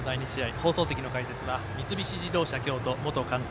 放送席の解説は三菱自動車京都元監督